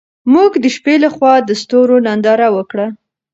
موږ د شپې لخوا د ستورو ننداره وکړه.